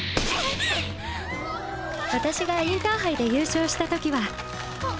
私がインターハイで優勝した時はクソッ！